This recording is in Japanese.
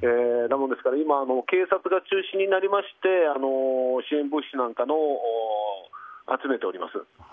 ですから今、警察が中心になりまして支援物資を集めております。